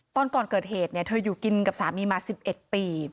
ตอนก่อนเกิดเหตุเธออยู่กินกับสามีมา๑๑ปี